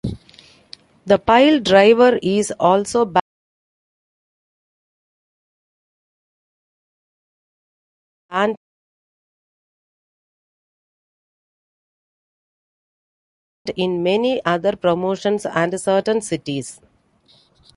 The piledriver is also banned in many other promotions and certain cities.